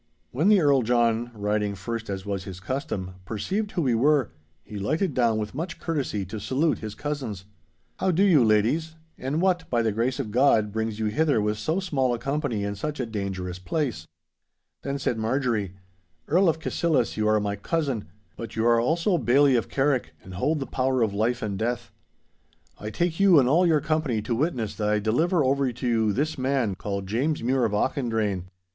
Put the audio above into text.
When the Earl John, riding first as was his custom, perceived who we were, he lighted down with much courtesy to salute his cousins. 'How do you, ladies? And what, by the grace of God, brings you hither with so small a company in such a dangerous place?' Then said Marjorie, 'Earl of Cassillis, you are my cousin; but you are also Bailzie of Carrick and hold the power of life and death. I take you and all your company to witness that I deliver over to you this man, called James Mure of Auchendrayne.